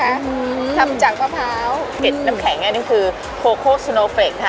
อืมทำจากมะพร้าวเผ็ดน้ำแข็งอันนี้คือโคโคสุโนเฟรกค่ะ